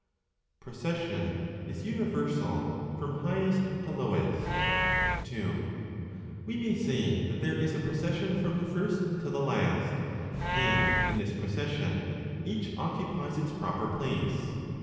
PROCESSION IS UNIVERSAL FROM HIGHEST TO LOWEST. 2. We may say that there is a procession from the First to the last; and in this procession each occupies its proper place.